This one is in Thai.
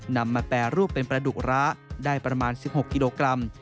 นำมาแปรรูปเป็นประดุกร้าได้ประมาณ๑๖กิโลกรัม